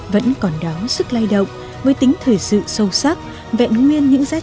vẫn còn đó sức lay động với tính thời sự sâu sắc vẹn nguyên những giá trị